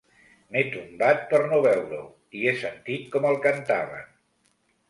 M'he tombat per no veure-ho i he sentit com el cantaven.